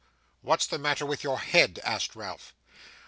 'What's the matter with your head?' asked Ralph.